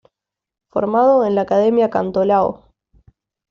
Formado en la Academia Cantolao.